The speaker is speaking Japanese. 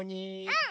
うん！